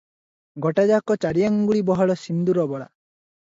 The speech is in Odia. ଗୋଟାଯାକ ଚାରିଆଙ୍ଗୁଳି ବହଳ ସିନ୍ଦୂରବୋଳା ।